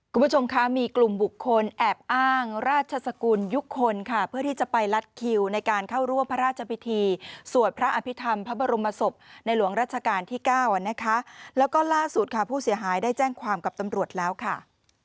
คุณผู้ชมคะมีกลุ่มบุคคลแอบอ้างราชสกุลยุคคลค่ะเพื่อที่จะไปลัดคิวในการเข้าร่วมพระราชพิธีสวดพระอภิษฐรรมพระบรมศพในหลวงราชการที่เก้าอ่ะนะคะแล้วก็ล่าสุดค่ะผู้เสียหายได้แจ้งความกับตำรวจแล้วค่ะ